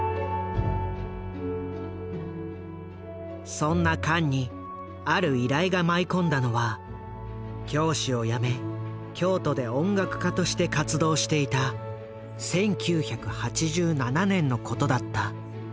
そんなカンにある依頼が舞い込んだのは教師を辞め京都で音楽家として活動していた１９８７年のことだった。